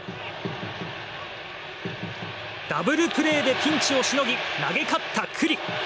ダブルプレーでピンチをしのぎ投げ勝った九里。